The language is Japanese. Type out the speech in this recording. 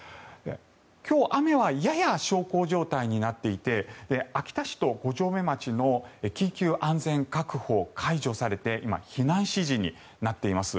今日、雨はやや小康状態になっていて秋田市と五城目町の緊急安全確保解除されて今、避難指示になっています。